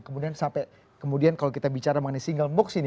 kemudian sampai kemudian kalau kita bicara mengenai single box ini